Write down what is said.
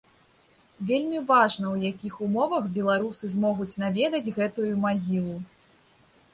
Вельмі важна ў якіх умовах беларусы змогуць наведаць гэтую магілу.